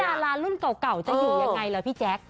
ดารารุ่นเก่าจะอยู่ยังไงล่ะพี่แจ๊ค